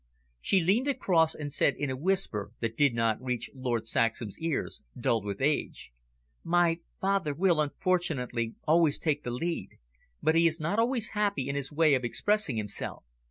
She leaned across, and said, in a whisper that did not reach Lord Saxham's ears, dulled with age: "My father will, unfortunately, always take the lead, but he is not always happy in his way of expressing himself."